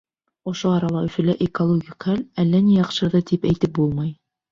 Ошо арала Өфөлә экологик хәл әллә ни яҡшырҙы тип әйтеп булмай.